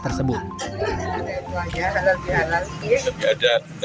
tersulit hanyalah terantuh pasukanilai diangkat di negara